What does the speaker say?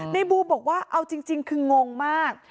บูมบอกว่าเอาจริงคืองงมาก